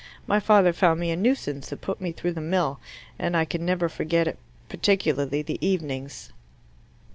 My father found me a nuisance, and put me through the mill, and I can never forget it particularly the evenings."